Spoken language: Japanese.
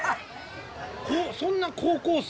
そんな高校生？